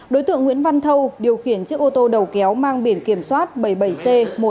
đối tượng nguyễn văn thâu điều khiển chiếc ô tô đầu kéo mang biển kiểm soát bảy mươi bảy c một mươi năm nghìn bốn trăm một mươi bốn